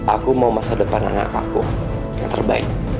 aku mau masa depan anak aku yang terbaik